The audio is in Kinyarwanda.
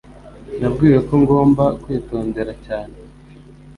Nabwiwe ko ngomba kwitondera cyane.